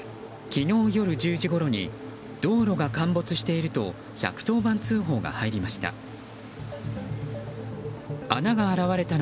昨日夜１０時ごろに道路が陥没していると１１０番通報が入りました。